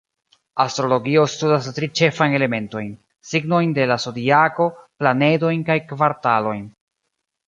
Astrologio studas tri ĉefajn elementojn: signojn de la zodiako, planedojn kaj kvartalojn.